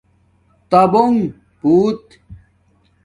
تبگ بُوت